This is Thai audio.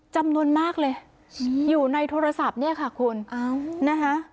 จำนวนมากเลยอยู่ในโทรศัพท์เนี่ยค่ะคุณนะคะ